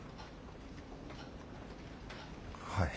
はい。